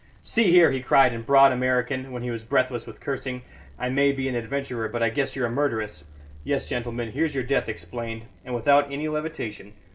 "See here!" he cried in broad American, when he was breathless with cursing, "I may be an adventurer, but I guess you're a murderess. Yes, gentlemen, here's your death explained, and without any levitation.